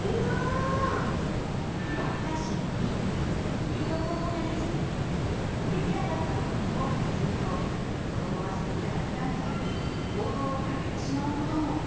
でもここはできなかったことにフォーカスすると子どもはそこで諦めたり行動をやめてしまうことも。